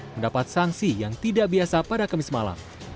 mendapat sanksi yang tidak biasa pada kamis malam